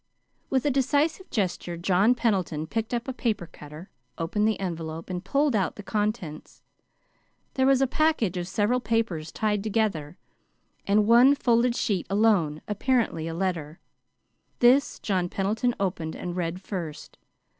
With a decisive gesture John Pendleton picked up a paper cutter, opened the envelope, and pulled out the contents. There was a package of several papers tied together, and one folded sheet alone, apparently a letter. This John Pendleton opened and read first.